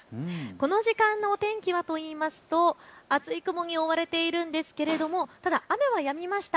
この時間のお天気はといいますと厚い雲に覆われているんですけれどもただ雨はやみました。